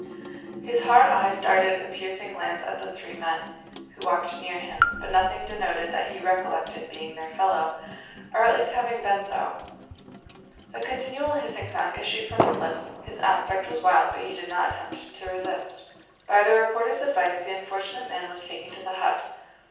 His hard eyes darted a piercing glance at the three men, who walked near him, but nothing denoted that he recollected being their fellow, or at least having been so. A continual hissing sound issued from his lips, his aspect was wild, but he did not attempt to resist. By the reporter's advice the unfortunate man was taken to the hut.